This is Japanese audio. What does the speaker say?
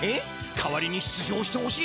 代わりに出場してほしい？